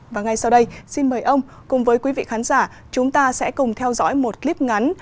và ngay sau đây xin mời ông cùng với quý vị khán giả chúng ta sẽ cùng theo dõi một clip ngắn